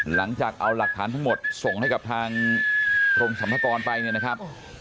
หลังจากเอาหลักฐานทั้งหมดส่งให้กับทางกรมสรรพากรไปเนี่ยนะครับ